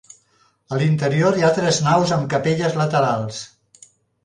A l'interior hi ha tres naus amb capelles laterals.